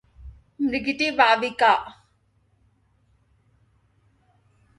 Mrighiti wavika.